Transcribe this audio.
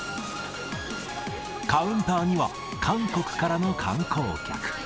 カウンターには、韓国からの観光客。